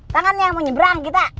tangannya mau nyebrang kita